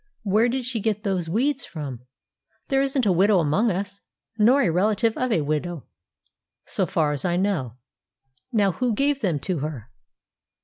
"Where did she get those weeds from? There isn't a widow among us, nor a relative of a widow, so far as I know. Now who gave them to her?"